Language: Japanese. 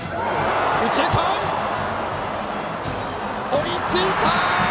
追いついた！